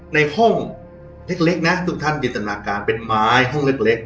ในห้องเล็กเล็กน่ะทุกท่านยนตนาการเป็นไม้ห้องเล็กเล็ก